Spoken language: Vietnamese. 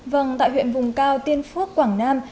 vâng tại huyện vùng cao tiên phước quảng nam